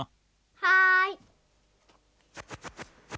はい。